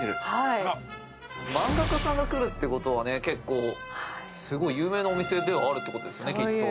漫画家さんが来るってことはねすごい有名なお店ではあるってことですねきっと。